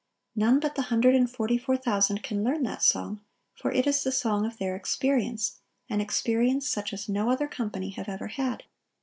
None but the hundred and forty four thousand can learn that song; for it is the song of their experience,—an experience such as no other company have ever had.